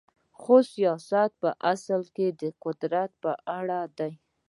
خو سیاست په اصل کې د قدرت په اړه دی.